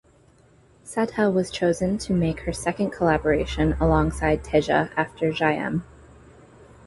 Sadha was chosen to make her second collaboration alongside Teja after "Jayam".